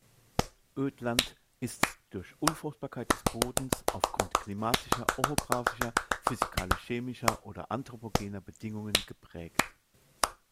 Ödland ist durch Unfruchtbarkeit des Bodens aufgrund klimatischer, orographischer, physikalisch-chemischer oder anthropogener Bedingungen geprägt.